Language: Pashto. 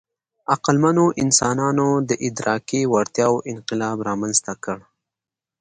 عقلمنو انسانانو د ادراکي وړتیاوو انقلاب رامنځ ته کړ.